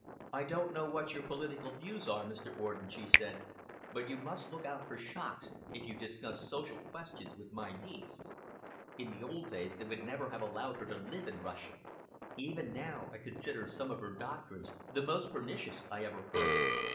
"I don't know what your political views are, Mr. Orden," she said, "but you must look out for shocks if you discuss social questions with my niece. In the old days they would never have allowed her to live in Russia. Even now, I consider some of her doctrines the most pernicious I ever heard."